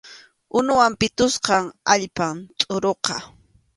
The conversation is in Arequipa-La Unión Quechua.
Unuwan pitusqa allpam tʼuruqa.